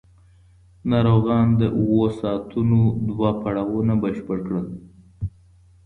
ناروغان د اوو ساعتونو دوه پړاوونه بشپړ کړل.